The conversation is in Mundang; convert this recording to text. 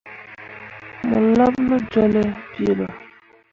Mo laɓ ne jolle pii ɗo.